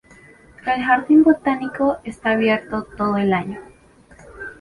El jardín botánico está abierto todo el año.